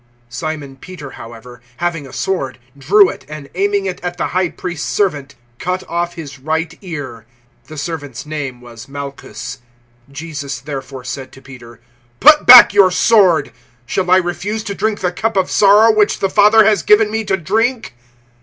018:010 Simon Peter, however, having a sword, drew it, and, aiming at the High Priest's servant, cut off his right ear. The servant's name was Malchus. 018:011 Jesus therefore said to Peter, "Put back your sword. Shall I refuse to drink the cup of sorrow which the Father has given me to drink?"